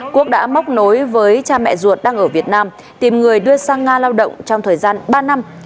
quốc đã móc nối với cha mẹ ruột đang ở việt nam tìm người đưa sang nga lao động trong thời gian ba năm